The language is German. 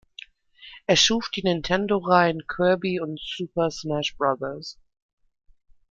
Er schuf die Nintendo-Reihen "Kirby" und "Super Smash Bros.